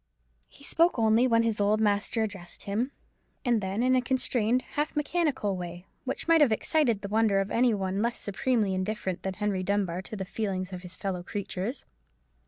He only spoke when his old master addressed him; and then in a constrained, half mechanical way, which might have excited the wonder of any one less supremely indifferent than Henry Dunbar to the feelings of his fellow creatures.